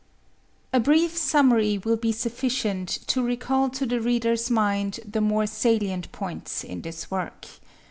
A brief summary will be sufficient to recall to the reader's mind the more salient points in this work.